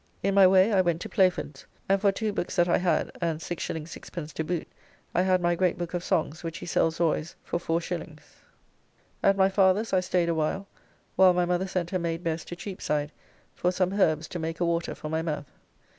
In my way I went to Playford's, and for two books that I had and 6s. 6d. to boot I had my great book of songs which he sells always for r 4s. At my father's I staid a while, while my mother sent her maid Bess to Cheapside for some herbs to make a water for my mouth.